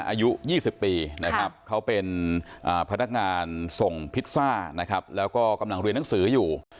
อายุ๒๐ปีนะครับเขาเป็นพนักงานส่งพิซซ่านะครับแล้วก็กำลังเรียนหนังสืออยู่